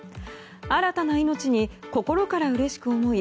新たな命に心からうれしく思い